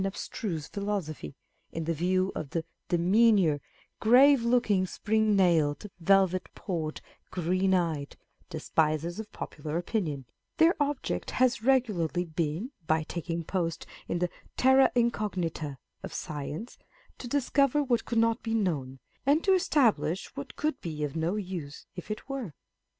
abstruse philosophy, in the view of " the demure, grave looking, spring nailed, velvet pawed, green eyed " despisers of popular opinion ; their object has regularly been, by taking post in the terra incognita of science, to discover what could not be known, and to establish what could be of no use if it were.